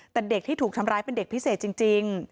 แต่เด็กที่ถูกทำร้ายเป็นเด็กพิเศษจริง